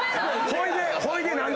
「ほいで？」